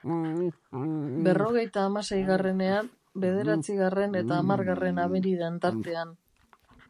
Berrogeita hamaseigarrenean, bederatzigarren eta hamargarren abeniden tartean.